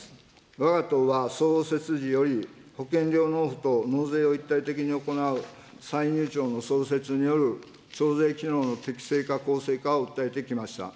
わが党は創設時より、保険料納付と納税を一体的に行う歳入庁の創設による徴税機能の適正化・公正化を訴えてきました。